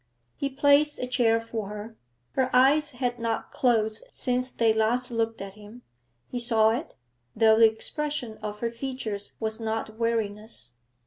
He placed a chair for her. Her eyes had not closed since they last looked at him; he saw it, though the expression of her features was not weariness.